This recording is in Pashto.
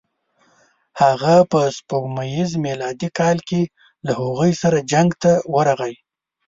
هغه په سپوږمیز میلادي کال کې له هغوی سره جنګ ته ورغی.